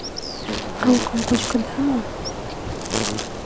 Рокым кочкыда мо?